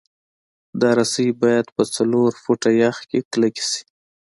دا رسۍ باید په څلور فټه یخ کې کلکې شي